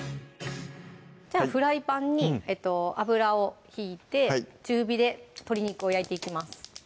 じゃあフライパンに油を引いて中火で鶏肉を焼いていきます